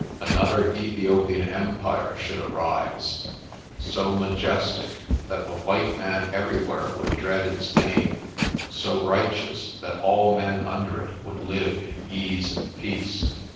Another Ethiopian empire should arise, so ma jestic that the white man everywhere would dread its name, so righteous that all men under it would live in ease and peace.